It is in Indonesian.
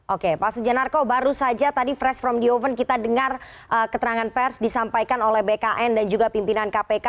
oke pak sujanarko baru saja tadi fresh from the oven kita dengar keterangan pers disampaikan oleh bkn dan juga pimpinan kpk